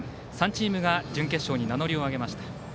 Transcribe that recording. ３チームが準決勝に名乗りを挙げました。